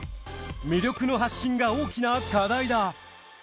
魅力の発信が大きな課題だ。